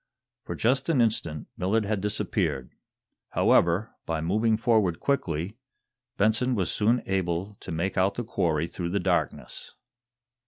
For just an instant Millard had disappeared. However, by moving forward quickly, Benson was soon able to make out the quarry through the darkness.